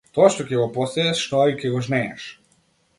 Тоа што ќе посееш тоа и ќе жнееш.